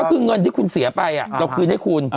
ก็คือเงินที่คุณเสียไปเราคืนให้คุณ